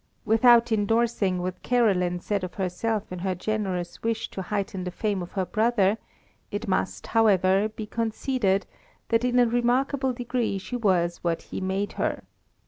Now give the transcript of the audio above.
Without endorsing what Caroline said of herself in her generous wish to heighten the fame of her brother, it must, however, be conceded that in a remarkable degree she was what he made her.